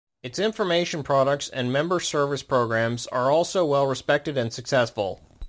Its information products and member service programs are also well respected and successful.